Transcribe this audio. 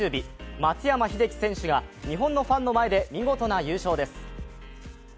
松山英樹選手が日本のファンの前で見事な優勝です。